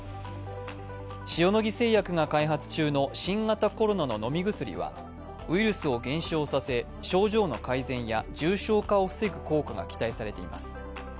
塩野義製薬が開発中の新型コロナの飲み薬はウイルスを減少させ、症状の改善や重症化を防ぐ効果が期待されています。